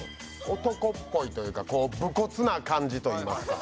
男っぽいというか武骨な感じといいますか。